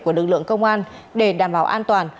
của lực lượng công an để đảm bảo an toàn